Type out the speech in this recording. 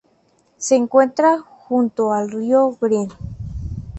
Se encuentra junto al río Green.